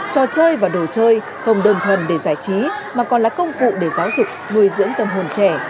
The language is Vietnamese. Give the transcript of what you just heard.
trò chơi và đồ chơi không đơn thuần để giải trí mà còn là công cụ để giáo dục nuôi dưỡng tâm hồn trẻ